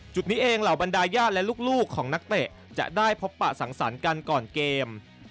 จุดนี้เองเหล่าบรรดาญาติและลูกของนักเตะจะได้พบปะสังสรรค์กันก่อนเกม